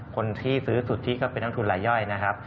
คนที่ซื้อสุทธิก็เป็นนักทุนรายย่อยนะครับ